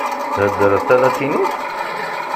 Theddreḍ talatinit?